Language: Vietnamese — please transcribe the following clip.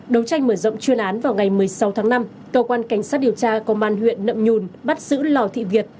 đấu tranh mở rộng chuyên án vào ngày một mươi sáu tháng năm công an cảnh sát điều tra công an huyện đậm nhùn bắt giữ lào thị việt